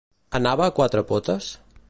Anava a quatre potes?